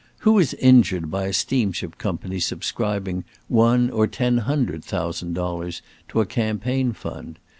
Who is injured by a steamship company subscribing one or ten hundred thousand dollars to a campaign fund?